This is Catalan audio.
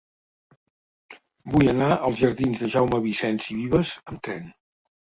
Vull anar als jardins de Jaume Vicens i Vives amb tren.